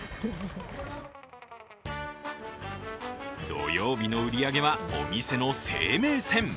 土曜日の売り上げはお店の生命線。